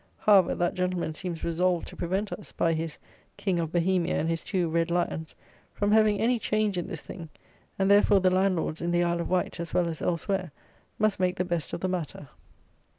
However, that gentleman seems resolved to prevent us, by his King of Bohemia and his two Red Lions, from having any change in this thing; and therefore the landlords, in the Isle of Wight, as well as elsewhere, must make the best of the matter.